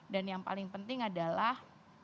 yang paling penting adalah